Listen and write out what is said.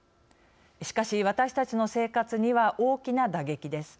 しかし私たちの生活には大きな打撃です。